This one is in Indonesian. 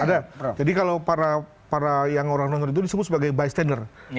ada jadi kalau para para yang orang nonton itu disebut sebagai bystander